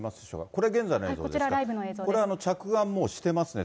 これ、現在の映像ですか？